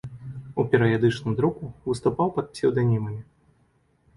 У перыядычным друку выступаў пад псеўданімамі.